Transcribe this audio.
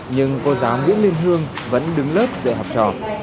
nhưng cô giáo nguyễn liên hương vẫn đứng lớp dạy học trò